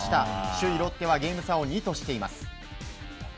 首位ロッテはゲーム差を２としています。